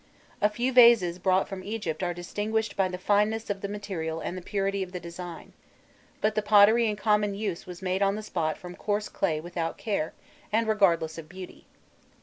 A few vases brought from Egypt are distinguished by the fineness of the material and the purity of the design; but the pottery in common use was made on the spot from coarse clay without care, and regardless of beauty.